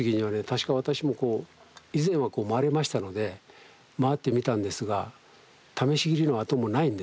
確か私もこう以前は回れましたので回ってみたんですが試し切りの痕もないんですね。